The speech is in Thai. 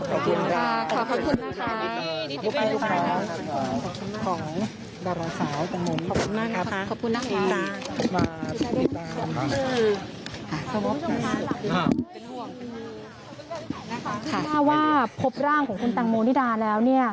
และแบบนี้พบร่างของพี่ตังโมนี่ดาแล้วเนี่ย